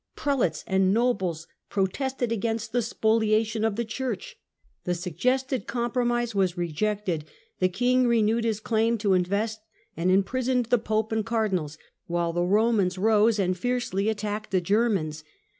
Prelates and nobles protested against the spoliation of the Church. The suggested compromise was rejected. The King renewed his claim to invest, and imprisoned the Pope and Cardinals, while the Romans rose and fiercely attacked the Germans.